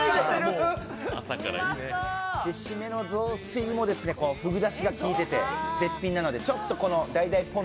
締めの雑炊もふぐだしが効いて絶品なのでちょっとダイダイぽん